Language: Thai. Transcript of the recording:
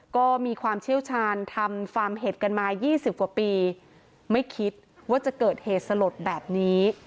ก็มีความเชี่ยวชาญทำฟาร์มเห็ดกันมา๒๐กว่าปีไม่คิดว่าจะเกิดเหตุสลดแบบนี้